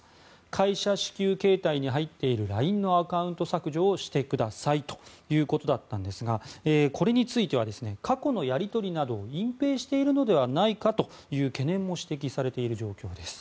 会社支給携帯に入っているＬＩＮＥのアカウント削除をしてくださいということだったんですがこれについては過去のやり取りなどを隠蔽しているのではないかという懸念も指摘されている状況です。